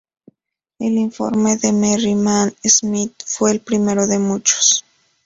El informe de Merriman Smith fue el primero de muchos.